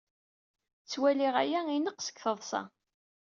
Ttwaliɣ aya ineɣɣ seg teḍsa.